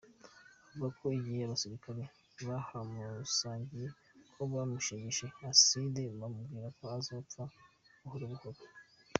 Avuga ko igihe abasirikare bahamusangiye ko bamushesheko "acide" bamubwira ko azopfa buhorobuhoro.